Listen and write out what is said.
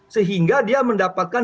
sehingga dia mendapatkan